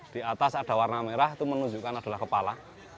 di atas ada warna merah itu menunjukkan adalah kepala